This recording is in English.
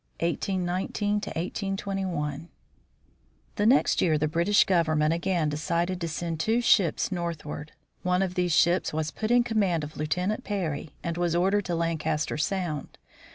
III. FRANKLIN'S FIRST LAND JOURNEY 1819 1821 The next year the British government again decided to send two ships northward. One of these ships was put in command of Lieutenant Parry and was ordered to Lancaster sound.